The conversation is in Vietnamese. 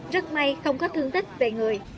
rất may không có thương tích về người